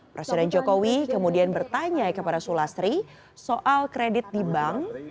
presiden jokowi kemudian bertanya kepada sulastri soal kredit di bank